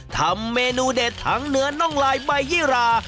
ทำเมนูเด็ดทั้งเนื้อน่องลายใบยี่รา